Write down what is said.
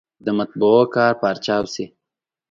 د مطبعو کار پارچاو شي.